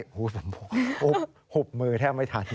โอ้โหหุบมือแทบไม่ทัน